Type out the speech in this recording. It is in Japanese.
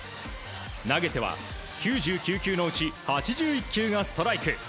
投げては９９球のうち８１球がストライク。